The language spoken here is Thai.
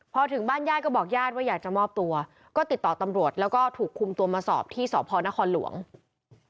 พอถึงบ้านญาติก็บอกญาติว่าอยากจะมอบตัวก็ติดต่อตำรวจแล้วก็ถูกคุมตัวมาสอบที่สพนครหลวง